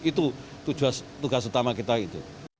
itu tugas utama kita itu